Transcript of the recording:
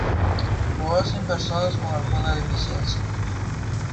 Lo hacen personas con alguna deficiencia.